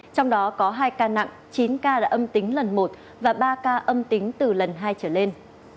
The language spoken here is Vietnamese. trong đó có hai ca nặng chín ca đã âm tính lần một và ba ca âm tính từ lần hai trở lên